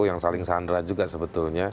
yang saling sandra juga sebetulnya